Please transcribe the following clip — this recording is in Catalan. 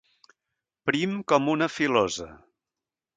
Prim com una filosa.